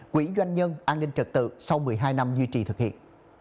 quỹ doanh nhân an ninh trật tự sau một mươi hai năm duy trì thực hiện